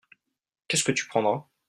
Qu'est-ce que tu prendras ?